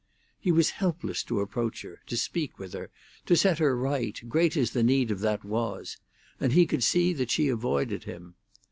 He was helpless to approach her, to speak with her, to set her right, great as the need of that was, and he could see that she avoided him.